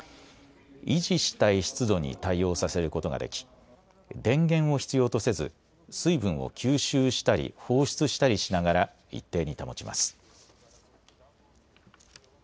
維持したい湿度に対応させることができ電源を必要とせず水分を吸収したり放出したりしながら一定に保ちます。